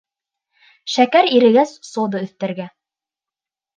Шәкәр ирегәс, сода өҫтәргә.